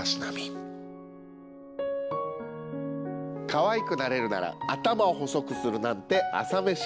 かわいくなれるなら頭を細くするなんて朝飯前。